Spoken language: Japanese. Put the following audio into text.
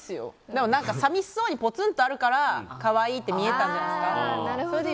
でも寂しそうにポツンとあるから可愛いって見えたんじゃないですか。